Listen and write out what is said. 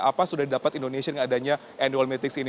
apa sudah didapat indonesia dengan adanya annual meetings ini